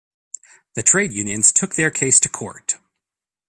The trade unions took their case to court.